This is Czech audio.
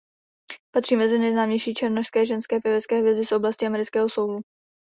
Patří mezi nejznámější černošské ženské pěvecké hvězdy z oblasti amerického soulu.